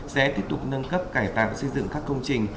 sẽ tiếp tục nâng cấp cải tạo xây dựng các công trình